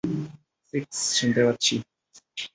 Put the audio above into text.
Six, শুনতে পাচ্ছি।